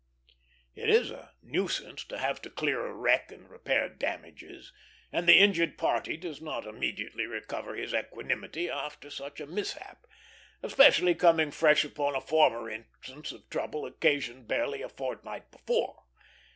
It is a nuisance to have to clear a wreck and repair damages; and the injured party does not immediately recover his equanimity after such a mishap, especially coming fresh upon a former instance of trouble occasioned barely a fortnight before.